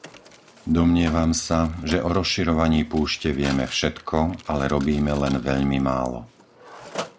Domnievam sa, že o rozširovaní púšte vieme všetko, ale robíme len veľmi málo.